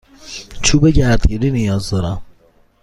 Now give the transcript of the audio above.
چوب گردگیری نیاز دارم.